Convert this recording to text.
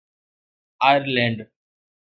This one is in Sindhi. آئرلينڊ